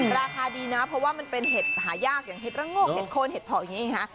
ราคาดีนะเพราะว่ามันเป็นเห็ดหายากอย่างเห็ดระโงกเห็ดโคนเห็ดเพาะอย่างนี้ไงฮะ